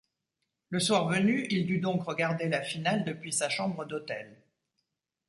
Le soir venu, il dut donc regarder la finale depuis sa chambre d’hôtel.